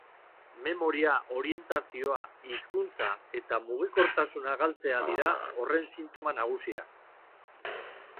Memoria, orientazioa, hizkuntza eta mugikortasuna galtzea dira horren sintoma nagusiak.